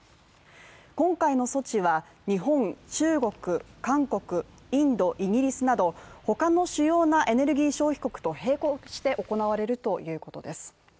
今回の措置は日本、中国、韓国、インド、イギリスなど他の主要なエネルギー消費国と並行して行われるということです。